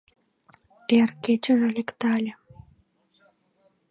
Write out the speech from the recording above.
Эр кечыже лектале